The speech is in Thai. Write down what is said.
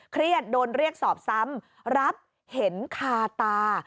เครียดโดนเรียกสอบซ้ำรับเห็นคาตา